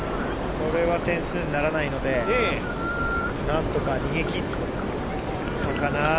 これは点数にならないので、なんとか逃げきったかな？